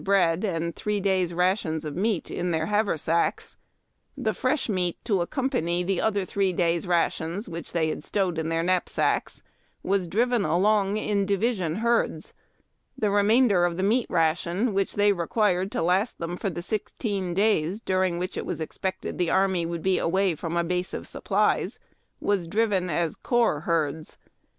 bread, and three days' rations of meat in their haversacks, the fresh meat to accompany the other three days' rations, which they had stowed in their knapsacks, was driven along in di vision herds. The remainder of the meat ration which they required to Last them for the sixteen days during which it was expected the army would be away from a base of supplies was driven as corps herds.